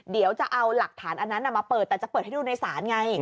เดี๋ยวจะเอาหลักฐานอันนั้นมาเปิดแต่จะเปิดให้ดูในศาลไง